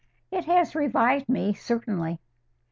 "It has revived me, certainly."